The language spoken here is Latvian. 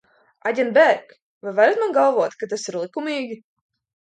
Aģent Bērk, vai varat man galvot, ka tas ir likumīgi?